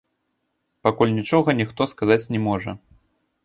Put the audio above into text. Пакуль нічога ніхто сказаць не можа.